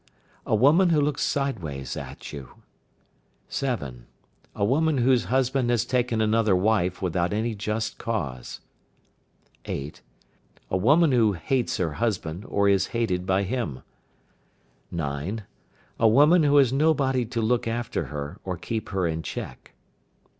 A woman who looks sideways at you. 7. A woman whose husband has taken another wife without any just cause. 8. A woman who hates her husband or who is hated by him. 9. A woman who has nobody to look after her, or keep her in check.